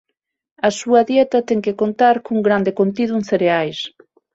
A súa dieta ten que contar cun grande contido en cereais.